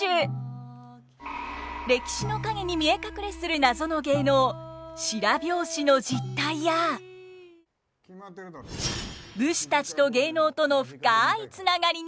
歴史の陰に見え隠れする謎の芸能白拍子の実態や武士たちと芸能との深いつながりに迫ります。